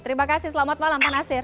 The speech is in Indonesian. terima kasih selamat malam pak nasir